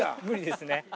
無理ですね。